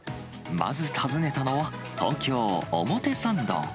まず訪ねたのは、東京・表参道。